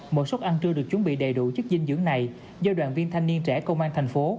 một số ăn trưa được chuẩn bị đầy đủ chất dinh dưỡng này do đoàn viên thanh niên trẻ công an tp hcm